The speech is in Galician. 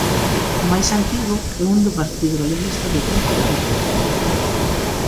O mais antigo é un do Partido Galeguista do tempo da República.